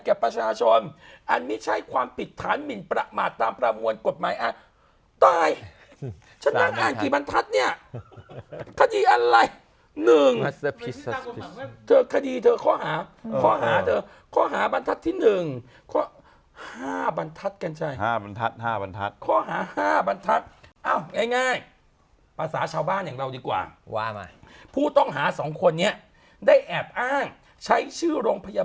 คืออย่าไปโดนห่างเขา